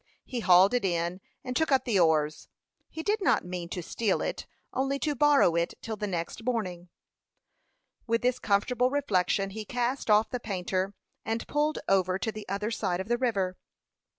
He hauled it in, and took up the oars. He did not mean to steal it, only to borrow it till the next morning. With this comfortable reflection he cast off the painter, and pulled over to the other side of the river.